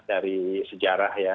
dari sejarah ya